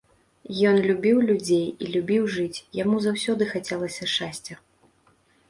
Ён любіў людзей і любіў жыць, яму заўсёды хацелася шчасця.